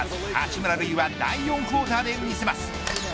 八村塁は第４クォーターで見せます。